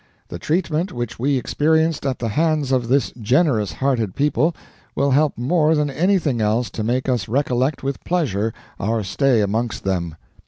The treatment which we experienced at the hands of this generous hearted people will help more than anything else to make us recollect with pleasure our stay amongst them.